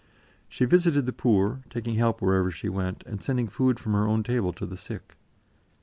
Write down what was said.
She visited the poor, taking help wherever she went, and sending food from her own table to the sick.